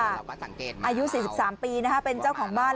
อายุ๔๓ปีเป็นเจ้าของบ้าน